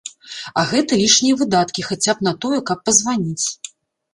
А гэта лішнія выдаткі хаця б на тое, каб пазваніць.